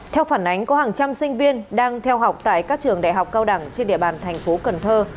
theo phản ánh có hàng trăm sinh viên đang theo học tại các trường đại học cao đẳng trên địa bàn thành phố cần thơ